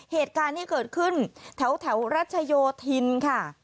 เหตุการณ์ที่เกิดขึ้นแถวรัชโยธินค่ะ